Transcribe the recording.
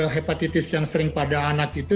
hepatitis yang sering pada anak itu